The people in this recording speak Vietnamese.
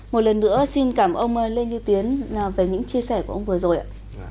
một lần nữa xin cảm ơn ông lê như tiến về những chia sẻ của ông vừa rồi ạ